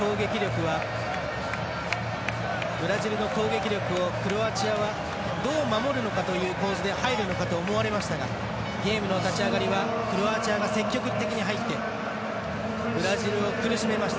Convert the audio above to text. ブラジルの攻撃力をクロアチアはどう守るのかという構図で入るのかと思われましたがゲームの立ち上がりはクロアチアが積極的に入ってブラジルを苦しめました。